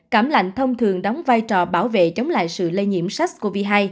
cảm lạnh thông thường đóng vai trò bảo vệ chống lại sự lây nhiễm sars cov hai